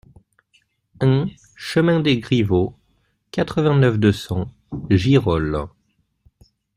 un chemin des Grivaux, quatre-vingt-neuf, deux cents, Girolles